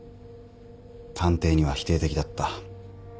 探偵には否定的だった。